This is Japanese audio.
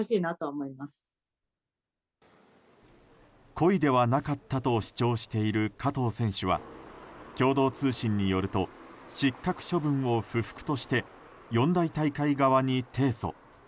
故意ではなかったと主張している加藤選手は共同通信によると失格処分を不服として四大大会側に提訴。